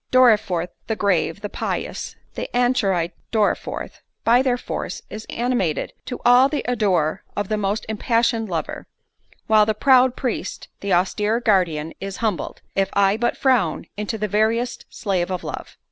Dorriforth, the grave, the pious, the anchorite Dorriforth, by their force, is animated to all the ardour of the most impassioned lover—while the proud priest, the austere guardian is humbled, if I but frown, into the veriest slave of love.